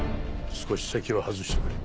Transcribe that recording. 少し席を外してくれ。